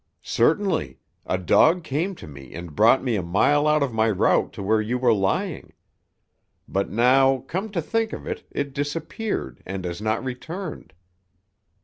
"Certainly, a dog came to me and brought me a mile out of my route to where you were lying. But, now, come to think of it, it disappeared and has not returned.